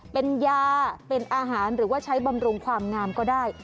เป็นยาเป็นอาหารหรือว่าใช้บำรุงความงามก็ได้